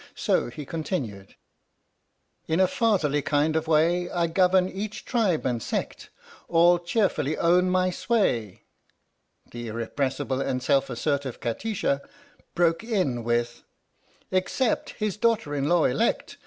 So he continued: In a fatherly kind of way I govern each tribe and sect, All cheerfully own my sway The irrepressible and self assertive Kati sha broke in with : Except his daughter in law elect